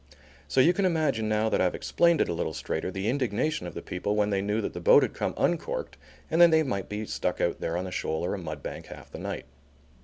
So you can imagine now that I've explained it a little straighter, the indignation of the people when they knew that the boat had come uncorked and that they might be stuck out there on a shoal or a mud bank half the night.